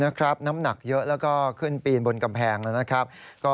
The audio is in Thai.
นะครับน้ำหนักเยอะแล้วก็ขึ้นปีนบนกำแพงแล้วนะครับ